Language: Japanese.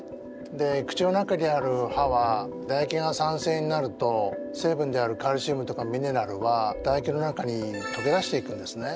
で口の中にある歯はだ液が酸性になると成分であるカルシウムとかミネラルはだ液の中にとけ出していくんですね。